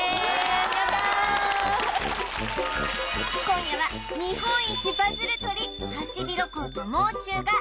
今夜は日本一バズる鳥ハシビロコウともう中が